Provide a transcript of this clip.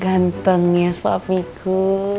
ganteng ya sepapiku